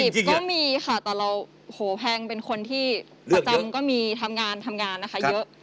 ก็มีค่ะแต่เราโหแพงเป็นคนที่ประจำก็มีทำงานทำงานนะคะเยอะ